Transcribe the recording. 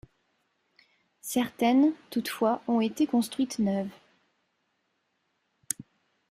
Certaines toutefois ont été construites neuves.